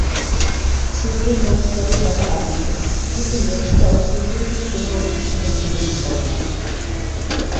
সূর্য মেঘস্তরের দ্বারা আবৃত, কিন্তু মেঘস্তর সূর্যের কোন পরিবর্তন সংঘটন করিতে পারে না।